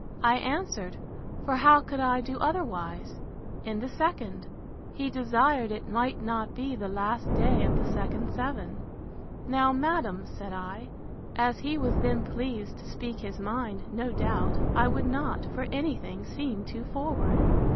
I answered—for how could I do otherwise?—In the second. He desired it might not be the last day of the second seven. Now, madam, said I, as he was then pleased to speak his mind, no doubt, I would not, for any thing, seem too forward.